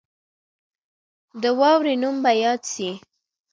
د واورې نوم به یاد سي.